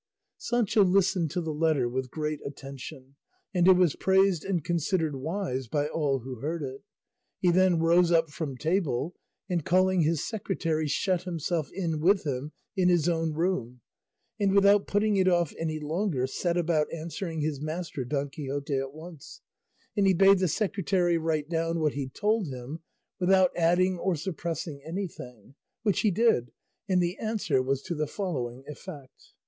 Sancho listened to the letter with great attention, and it was praised and considered wise by all who heard it; he then rose up from table, and calling his secretary shut himself in with him in his own room, and without putting it off any longer set about answering his master Don Quixote at once; and he bade the secretary write down what he told him without adding or suppressing anything, which he did, and the answer was to the following effect.